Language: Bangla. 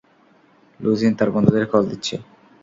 লু জিন তার বন্ধুদের কল দিচ্ছে।